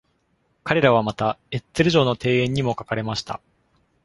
彼らはまた、Edzell 城の庭園にも描かれました。